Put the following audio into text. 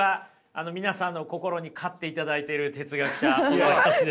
皆さんの心に飼っていただいてる哲学者小川仁志です。